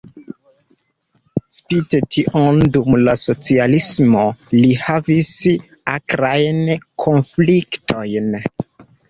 Spite tion dum la socialismo li havis akrajn konfliktojn.